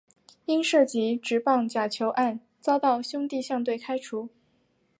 因涉及职棒假球案遭到兄弟象队开除。